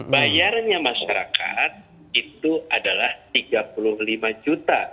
bayarnya masyarakat itu adalah rp tiga puluh lima juta